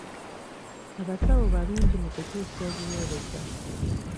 Abasawo balungi mu kutuusa obuweereza.